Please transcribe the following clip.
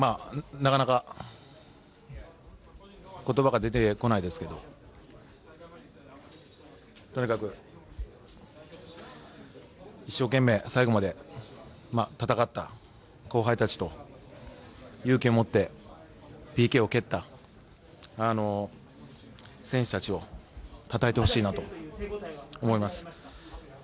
なかなか言葉が出てこないですがとにかく一生懸命最後まで戦った後輩たちと、勇気を持ってＰＫを蹴った選手たちをたたえてほしいなと思います。